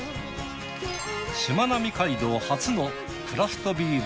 しまなみ海道初のクラフトビール